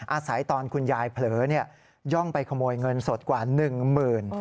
อาศัยตอนคุณยายเผลอย่องไปขโมยเงินสดกว่า๑หมื่น